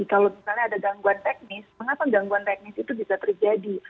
kalau misalnya ada gangguan teknis mengapa gangguan teknis itu bisa terjadi